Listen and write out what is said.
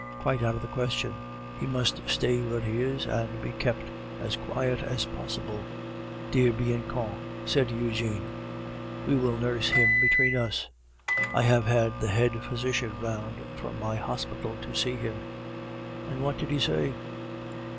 "Quite out of the question. He must stay where he is, and be kept as quiet as possible " "Dear Bianchon," said Eugene, "we will nurse him between us." "I have had the head physician round from my hospital to see him." "And what did he say?"